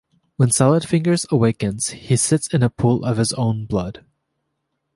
When Salad Fingers awakens he sits in a pool of his own blood.